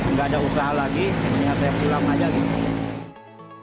nggak ada usaha lagi mendingan saya pulang aja gitu